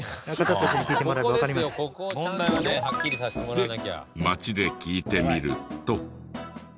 で街で聞いてみると。